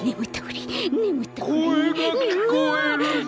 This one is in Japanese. ・こえがきこえるぞ！